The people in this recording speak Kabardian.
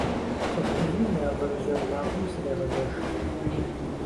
Цӏыху ӏувым я вэржьэр макъым срегъэзэш.